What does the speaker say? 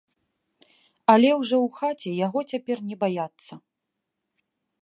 Але ўжо ў хаце яго цяпер не баяцца.